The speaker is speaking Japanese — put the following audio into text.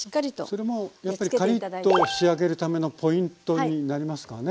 それもやっぱりカリッと仕上げるためのポイントになりますかね？